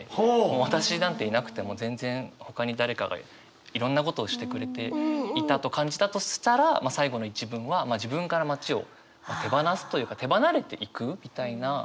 もう私なんていなくても全然ほかに誰かがいろんなことをしてくれていたと感じたとしたら最後の一文は自分から町を手放すというか手離れていく。